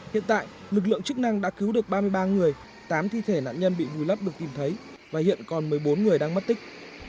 hiện tại lực lượng chức năng đã cứu được ba mươi ba người tám thi thể nạn nhân bị vùi lấp được tìm thấy và hiện còn một mươi bốn người đang mất tích